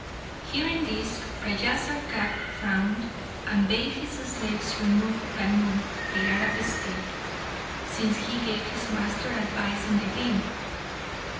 Hearing this, Raja Sarkap frowned, and bade his slaves remove Bhaunr, the Arab steed, since he gave his master advice in the game.